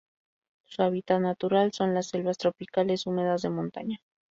Su hábitat natural son las selvas tropicales húmedas de montaña.